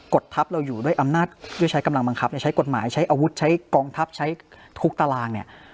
ทัพเราอยู่ด้วยอำนาจด้วยใช้กำลังบังคับใช้กฎหมายใช้อาวุธใช้กองทัพใช้ทุกตารางเนี่ย